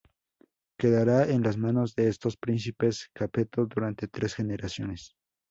Quedará en las manos de estos príncipes capetos durante tres generaciones.